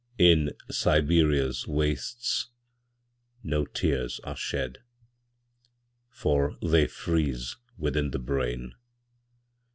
In Siberia's wastesNo tears are shed, For they freeze within the brain.